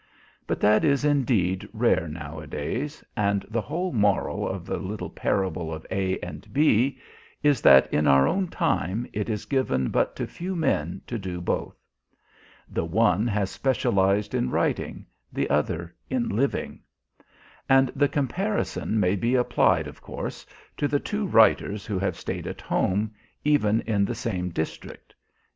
But that is, indeed, rare nowadays, and the whole moral of the little parable of A and B is that in our own time it is given but to few men to do both. The one has specialized in writing, the other in living. And the comparison may be applied, of course, to the two writers who have stayed at home, even in the same district.